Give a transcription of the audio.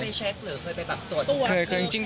จริงแล้วไปเช็คหรือเคยไปตรวจตัว